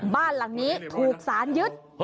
บ้านหลังนี้ถูกสารยึด